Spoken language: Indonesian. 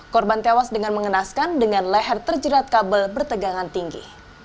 korban tewas dengan mengenaskan dengan leher terjerat kabel bertegangan tinggi